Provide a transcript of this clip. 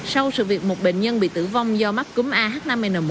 sau sự việc một bệnh nhân bị tử vong do mắc cúm ah năm n một